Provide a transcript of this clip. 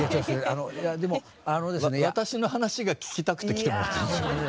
「私の話」が聞きたくて来てもらってるんですよ。